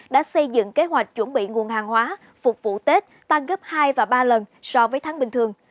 đã xây dựng kế hoạch chuẩn bị nguồn hàng hóa phục vụ tết tăng gấp hai và ba lần so với tháng bình thường